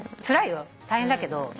つらいよ大変だけど。